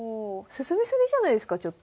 進み過ぎじゃないですかちょっと。